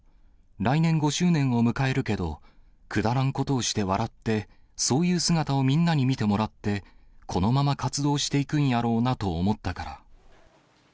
来年５周年を迎えるけど、くだらんことをして笑って、そういう姿をみんなに見てもらって、このまま活動していくんやろうなと思ったから。